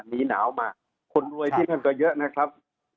หนีหนาวมาคนรวยที่นั่นก็เยอะนะครับ